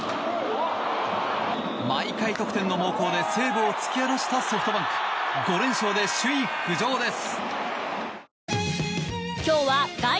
毎回得点の猛攻で西武を突き放したソフトバンク。５連勝で首位浮上です。